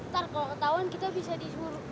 ntar kalau ketahuan kita bisa disuruh